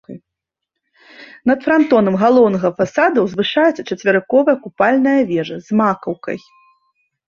Над франтонам галоўнага фасада ўзвышаецца чацверыковая купальная вежа з макаўкай.